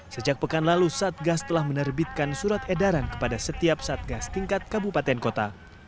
sejak pekan lalu satgas telah menerbitkan surat edaran kepada setiap satgas tingkat kabupaten kota